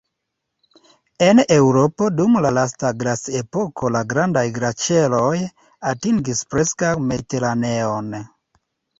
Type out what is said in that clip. En Eŭropo dum la lasta glaciepoko la grandaj glaĉeroj atingis preskaŭ Mediteraneon.